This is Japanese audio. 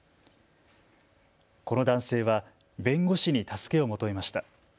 この男性は弁護士に助けを求めました。